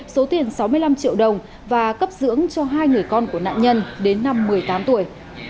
số tiền sáu mươi năm triệu đồng và cấp dưỡng cho hai người con của nạn nhân đến năm một mươi tám tuổi